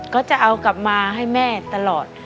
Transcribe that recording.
ก็จะเอากลับมาให้แม่ตลอด